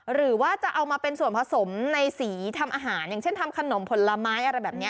หรือว่าจะเอามาเป็นส่วนผสมในสีทำอาหารอย่างเช่นทำขนมผลไม้อะไรแบบนี้